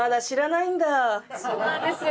そうなんですよ。